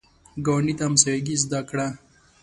ګاونډي ته همسایګي زده کړه